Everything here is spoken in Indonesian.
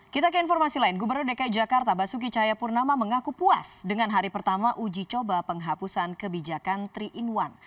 kita ke informasi lain gubernur dki jakarta basuki cahayapurnama mengaku puas dengan hari pertama uji coba penghapusan kebijakan tiga in satu